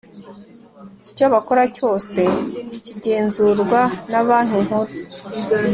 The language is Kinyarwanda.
Icyo bakora cyose kigenzurwa na Banki Nkuru